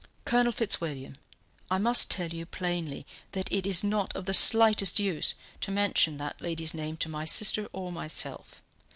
"Colonel Fitzwilliam, I must tell you plainly that it is not of the slightest use to mention that lady's name to my sister or myself.